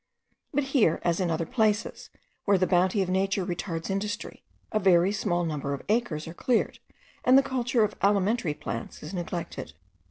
But here, as in other places, where the bounty of nature retards industry, a very small number of acres are cleared, and the culture of alimentary plants is neglected.